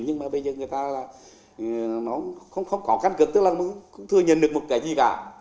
nhưng mà bây giờ người ta là nó không có căn cước tức là mình không thừa nhận được một cái gì cả